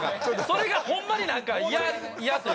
それがホンマになんかイヤイヤというか。